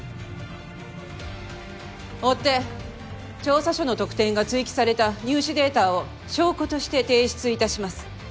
追って調査書の得点が追記された入試データを証拠として提出いたします。